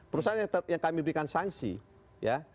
perusahaan yang kami berikan sanksi ya